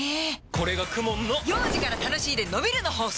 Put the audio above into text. これがＫＵＭＯＮの幼児から楽しいでのびるの法則！